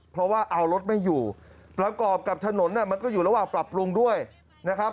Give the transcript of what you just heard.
เพราะว่าเอารถไม่อยู่ประกอบกับถนนมันก็อยู่ระหว่างปรับปรุงด้วยนะครับ